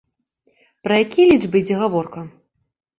Пра якія лічбы ідзе гаворка?